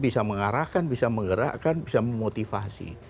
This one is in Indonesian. bisa mengarahkan bisa menggerakkan bisa memotivasi